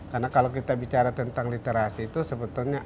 karena kalau kita bicara tentang literasi itu sebetulnya